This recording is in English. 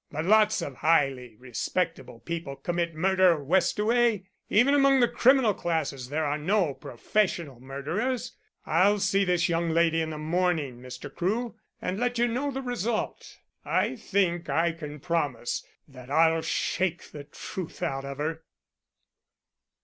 "But lots of highly respectable people commit murder, Westaway. Even among the criminal classes there are no professional murderers. I'll see this young lady in the morning, Mr. Crewe, and let you know the result. I think I can promise that I'll shake the truth out of her."